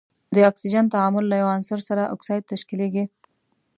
د اکسیجن تعامل له یو عنصر سره اکساید تشکیلیږي.